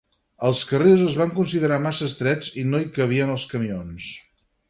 Els carrils es van considerar massa estrets i no hi cabien els camions.